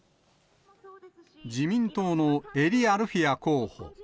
自民党の英利アルフィア候補。